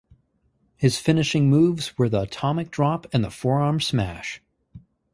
His finishing moves were the atomic drop and the forearm smash.